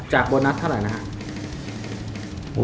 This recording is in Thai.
โบนัสเท่าไหร่นะครับ